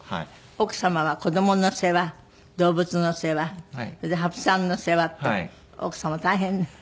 奥様は子供の世話動物の世話それで羽生さんの世話と奥様大変ね。